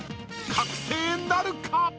［覚醒なるか⁉］